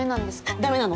ダメなの。